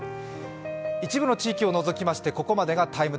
一部の地域を除きましてここまでが「ＴＩＭＥ’」。